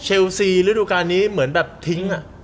เชลซีฤดุการณ์นี้เหมือนแบบทิ้งอ่ะ